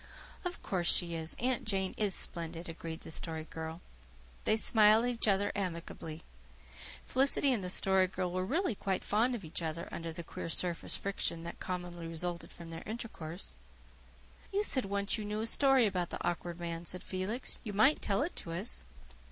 "Of course she is. Aunt Janet is splendid," agreed the Story Girl. They smiled at each other amicably. Felicity and the Story Girl were really quite fond of each other, under the queer surface friction that commonly resulted from their intercourse. "You said once you knew a story about the Awkward Man," said Felix. "You might tell it to us."